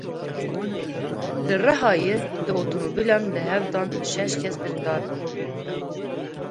Li Rihayê du otomobîlan li hev dan şeş kes birîndar bûn.